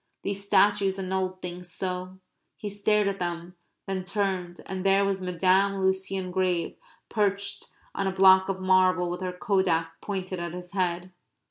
These statues annulled things so! He stared at them, then turned, and there was Madame Lucien Grave perched on a block of marble with her kodak pointed at his head.